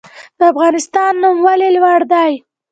د افغانستان نوم ولې لوړ دی؟